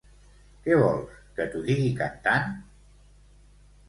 Què vols, que t'ho digui cantant?